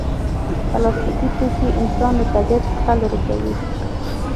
پلاستيکي توکي انسان له طبیعت څخه لرې کوي.